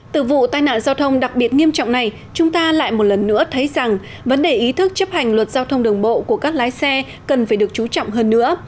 từ vụ tai nạn giao thông đặc biệt nghiêm trọng này chúng ta lại một lần nữa thấy rằng vấn đề ý thức chấp hành luật giao thông đường bộ của các lái xe cần phải được chú trọng hơn nữa